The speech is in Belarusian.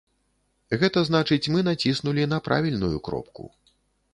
Гэта значыць, мы націснулі на правільную кропку.